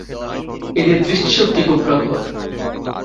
এদের দৃষ্টিশক্তি খুব প্রখর।